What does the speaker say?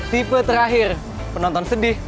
tipe terakhir penonton sedih